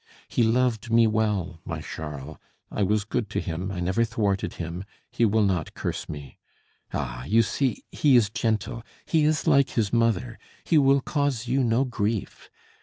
He loved me well, my Charles; I was good to him, I never thwarted him; he will not curse me. Ah, you see! he is gentle, he is like his mother, he will cause you no grief.